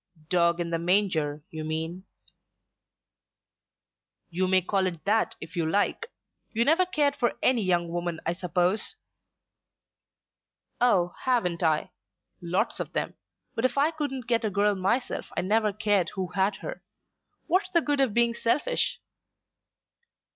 "Dog in the manger, you mean." "You may call it that if you like. You never cared for any young woman, I suppose?" "Oh, haven't I! Lots of 'em. But if I couldn't get a girl myself I never cared who had her. What's the good of being selfish?"